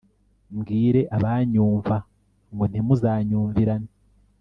mbwire abanyumva ngo ntimuzumvirane